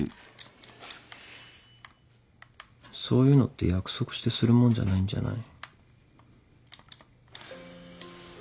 そういうのって約束してするもんじゃないんじゃない？